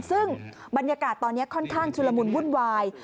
ซึ่งบรรยากาศตอนนี้ค่อนข้างชุลมุนวุ่นวาย